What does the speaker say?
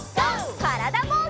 からだぼうけん。